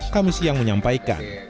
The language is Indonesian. kami siang menyampaikan